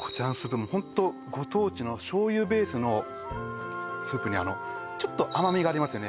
もうホントご当地の醤油ベースのスープにちょっと甘みがありますよね